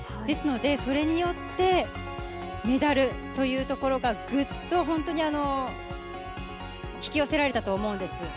ですので、それによってメダルというところがぐっと本当に、引き寄せられたと思うんです。